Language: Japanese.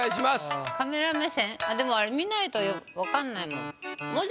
でもあれ見ないと分かんないもん。